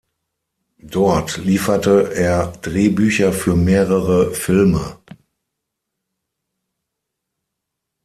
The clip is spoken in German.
Dort lieferte er Drehbücher für mehrere Filme.